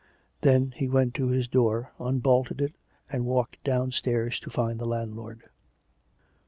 Then he went to his door, unbolted it, and walked down stairs to find the landlord.